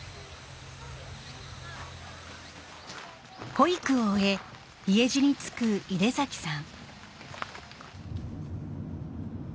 保育を終え家路につく井出崎さん。